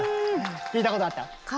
聞いたことあった？